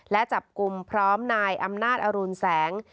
และจับกลุ่มพร้อมนายอำนาจอรุณแสง